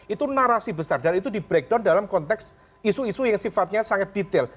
itu narasi besar dan itu di breakdown dalam konteks isu isu yang sifatnya sangat detail